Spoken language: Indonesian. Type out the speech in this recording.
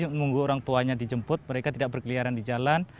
menunggu orang tuanya dijemput mereka tidak berkeliaran di jalan